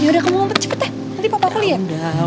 yaudah kamu ngumpet cepet deh nanti papa aku liat